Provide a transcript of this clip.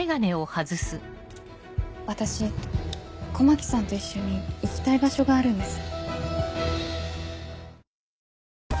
私狛木さんと一緒に行きたい場所があるんです。